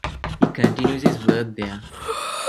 He continues his work there.